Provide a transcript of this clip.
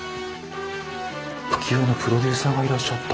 浮世絵のプロデューサーがいらっしゃった。